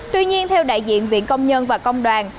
tuy nhiên theo đại diện viện công nhân và công đoàn